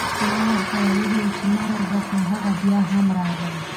ما ورته وئيلي وو چې مه راځه، خو هغه بيا هم راغی